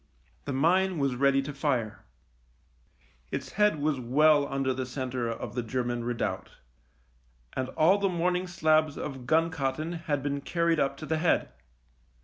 The mine was ready to fire. Its head was well under the centre of the German redoubt, and all the morning slabs of gun cotton had been carried up to the head.